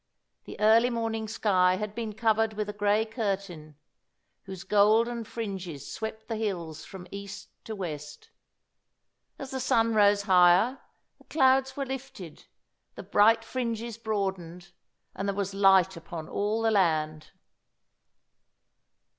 The early morning sky had been covered with a grey curtain, whose golden fringes swept the hills from east to west. As the sun rose higher, the clouds were lifted, the bright fringes broadened, and there was light upon all the land.